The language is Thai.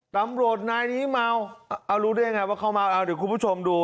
ตำรวจนายนี้เมาเอารู้ได้ยังไงว่าเขาเมาเอาเดี๋ยวคุณผู้ชมดู